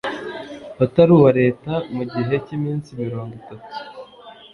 utari uwa Leta mu gihe cy iminsi mirongo itatu